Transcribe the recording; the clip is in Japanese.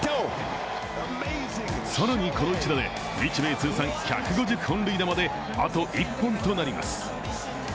更にこの一打で日米通算１５０本塁打まであと１本となります。